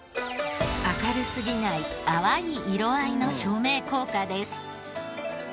明るすぎない淡い色合いの照明効果です。